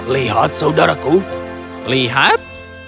lihat saudaraku lihat